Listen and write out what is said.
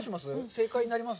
正解になります？